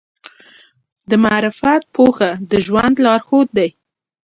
د معرفت پوهه د ژوند لارښود دی.